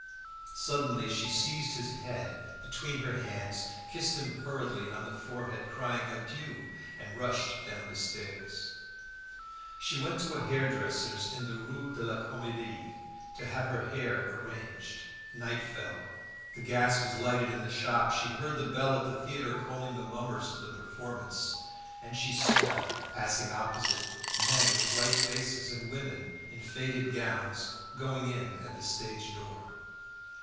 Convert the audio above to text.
Suddenly she seized his head between her hands, kissed him hurriedly on the forehead, crying, "Adieu!" and rushed down the stairs. She went to a hairdresser's in the Rue de la Comedie to have her hair arranged. Night fell; the gas was lighted in the shop. She heard the bell at the theatre calling the mummers to the performance, and she saw, passing opposite, men with white faces and women in faded gowns going in at the stage door.